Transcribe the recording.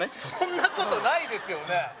そんなことないですよね